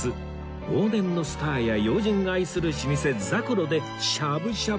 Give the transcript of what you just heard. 往年のスターや要人が愛する老舗ざくろでしゃぶしゃぶ